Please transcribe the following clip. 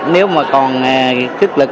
nếu mà còn thức lực